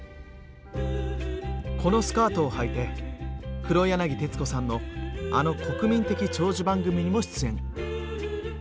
このスカートをはいて黒柳徹子さんのあの国民的長寿番組にも出演。